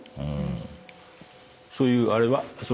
そういうあれは？